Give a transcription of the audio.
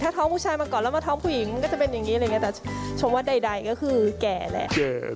ถ้าท้องผู้ชายมาก่อนแล้วมาท้องผู้หญิงมันก็จะเป็นอย่างนี้อะไรอย่างนี้แต่ชมว่าใดก็คือแก่แหละ